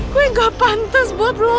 gue gak pantas buat lo